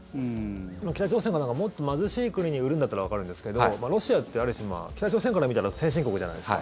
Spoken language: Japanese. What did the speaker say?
北朝鮮がもっと貧しい国に売るんだったらわかるんですけどロシアってある種北朝鮮から見たら先進国じゃないですか。